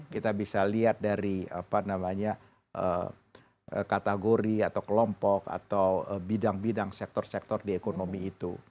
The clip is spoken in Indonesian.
kita bisa lihat dari kategori atau kelompok atau bidang bidang sektor sektor di ekonomi itu